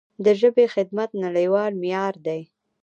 د ژبې خدمت نړیوال معیار دی.